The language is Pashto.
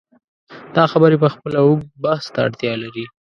دا خبرې پخپله اوږد بحث ته اړتیا لري.